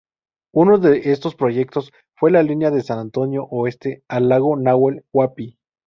Uno de estos proyectos fue la línea San Antonio Oeste a Lago Nahuel Huapi.